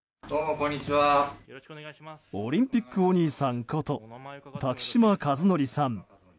オリンピックお兄さんこと滝島一統さん。